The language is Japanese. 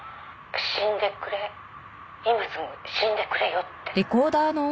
「“死んでくれ今すぐ死んでくれよ”って」